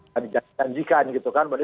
kan dijanjikan gitu kan berarti